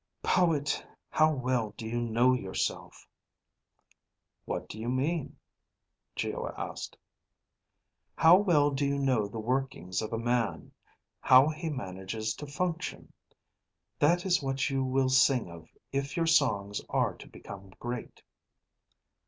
"Poet, how well do you know yourself?" "What do you mean?" Geo asked. "How well do you know the workings of a man, how he manages to function? That is what you will sing of if your songs are to become great."